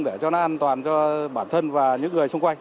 để cho nó an toàn cho bản thân và những người xung quanh